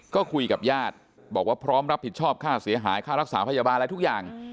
ก็คุยกับญาติบอกว่าพร้อมรับผิดชอบค่าเสียหายค่ารักษาพยาบาลอะไรทุกอย่าง